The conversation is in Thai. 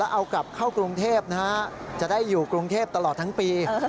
เอากลับเข้ากรุงเทพนะฮะจะได้อยู่กรุงเทพตลอดทั้งปี